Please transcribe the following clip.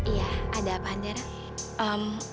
iya ada apa andara